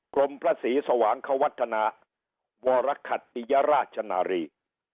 พระศรีสวางควัฒนาวรคัตติยราชนารี